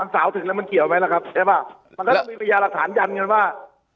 สาวถึงแล้วมันเกี่ยวไหมล่ะครับใช่ป่ะมันก็ต้องมีพยานหลักฐานยันกันว่า